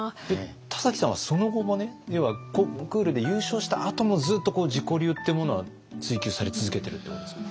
田崎さんはその後もコンクールで優勝したあともずっとこう自己流ってものは追求され続けてるってことですか？